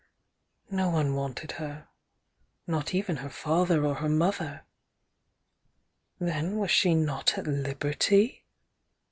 No one wanted her,— not even her father or her mother. Then was she not at liberty?